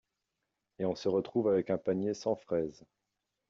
Et on se retrouve avec un panier sans fraise.